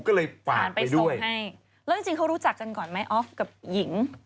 ก็เลยฝากไปส่งให้แล้วจริงเขารู้จักกันก่อนไหมออฟกับหญิง